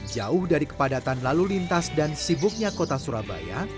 jauh dari kepadatan lalu lintas dan sibuknya kota surabaya